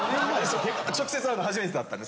直接会うの初めてだったんで。